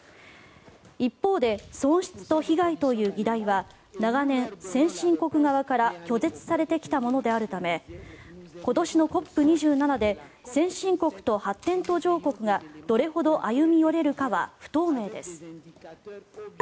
一方で「損失と被害」という議題は長年、先進国側から拒絶されてきたものであるため今年のＣＯＰ２７で先進国と発展途上国がどれほど歩み寄れるかは不透明です。